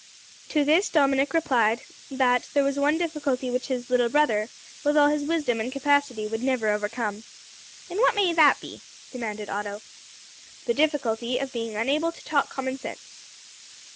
To this Dominick replied that there was one difficulty which his little brother, with all his wisdom and capacity, would never overcome. "And what may that be?" demanded Otto. "The difficulty of being unable to talk common sense."